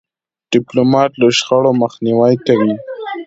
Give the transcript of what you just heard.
ډيپلومات له شخړو مخنیوی کوي.